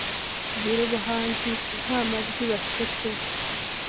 Bwira ubuhanzi nta majwi bafite pe